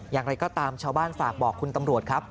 อย่างไรก็ตามชาวบ้านฝากบอกคุณตำรวจครับ